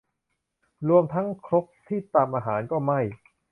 รวมทั้งครกที่ตำอาหารก็ไหม้